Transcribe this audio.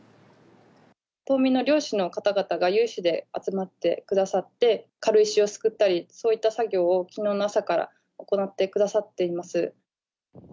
島民の漁師の方々が有志で集まってくださって、軽石をすくったり、そういった作業をきのうの朝から行ってくださっています。